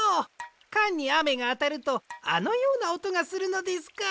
カンにあめがあたるとあのようなおとがするのですか。